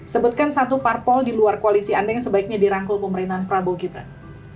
sebutkan satu parpol di luar koalisi anda yang sebaiknya dirangkul pemerintahan prabowo gibran